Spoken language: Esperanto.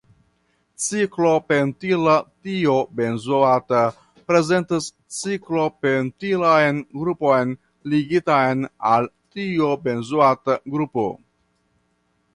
Ciklopentila tiobenzoato prezentas ciklopentilan grupon ligitan al tiobenzoata grupo.